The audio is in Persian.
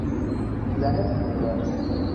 زن پولدار